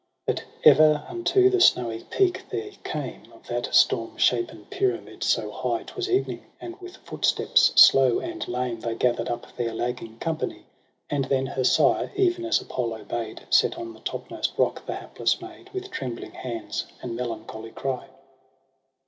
9+ EROS ^ PSYCHE But ere unto the snowy peak they came Of that stormshapen pyramid so high, 'Twas evening, and with footsteps slow and lame They gather'd up their lagging company : And then her sire, even as Apollo bade. Set on the topmost rock the hapless maid. With trembling hands and melancholy cry.